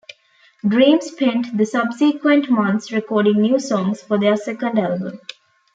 Dream spent the subsequent months recording new songs for their second album.